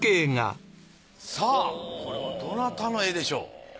さあこれはどなたの絵でしょう？